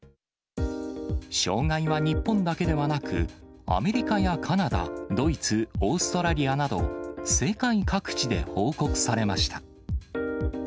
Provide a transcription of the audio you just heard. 障害は日本だけではなく、アメリカやカナダ、ドイツ、オーストラリアなど、世界各地で報告されました。